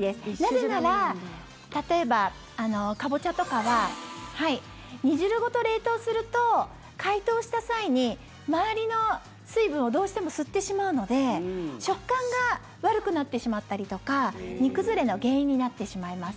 なぜなら、例えばカボチャとかは煮汁ごと冷凍すると解凍した際に、周りの水分をどうしても吸ってしまうので食感が悪くなってしまったりとか煮崩れの原因になってしまいます。